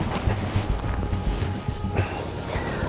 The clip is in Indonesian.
pak aldebaran pak aldebaran